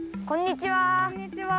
こんにちは。